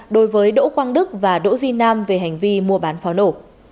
đối với đỗ quang đức và đỗ duy nam về hành vi mua bán pháo nổ